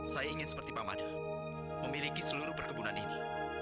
saya ingin seperti pamade memiliki seluruh perkebunan ini